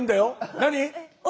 何？